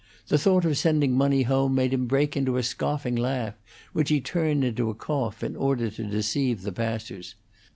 The thought of sending money home made him break into a scoffing laugh, which he turned into a cough in order to deceive the passers.